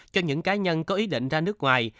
cho những cá nhân có ý định ra nước ngoài